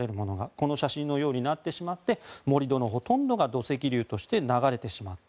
この写真のようになってしまって盛り土のほとんどが土石流として流れてしまった。